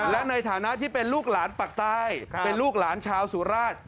และในฐานะที่เป็นลูกหลานปักใต้เป็นลูกหลานชาวสุราช